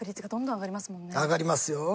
上がりますよ。